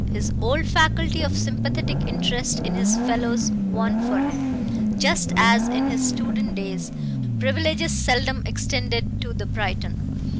His old faculty of sympathetic interest in his fellows won for him, just as in his student days, privileges seldom extended to the Briton.